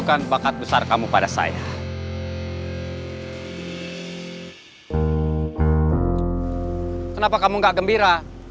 kenapa kamu gak gembira